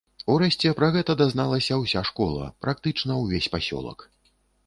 Урэшце пра гэта дазналася ўся школа, практычна ўвесь пасёлак.